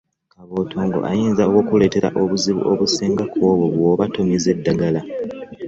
Kabotongo alinza okukuletera obuzibu obusinga kw'obwo bw'oba tomize ddagala.